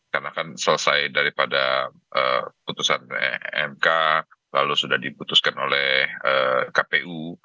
karena akan selesai daripada putusan umk lalu sudah diputuskan oleh kpu